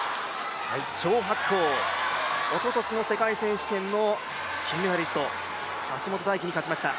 張博恒、おととしの世界選手権の金メダリスト、橋本大輝に勝ちました。